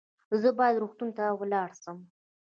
زه باید روغتون ته ولاړ سم